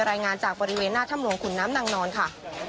รายงานจากบริเวณหน้าถ้ำหลวงขุนน้ำนางนอนค่ะ